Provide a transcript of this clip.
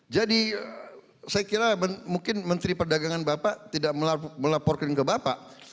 jadi saya kira mungkin menteri perdagangan bapak tidak melaporkan ke bapak